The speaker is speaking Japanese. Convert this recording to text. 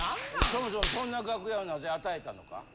そもそもそんな楽屋をなぜ与えたのか？